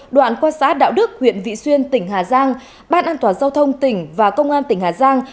đoạn quan sát đạo đức huyện vị xuyên tỉnh hà giang bản an toàn giao thông tỉnh và công an tỉnh hà giang